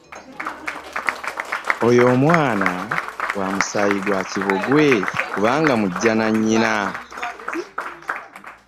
Oyo omwana wa musaayi gwa kibogwe kubanga mujja na nnyina.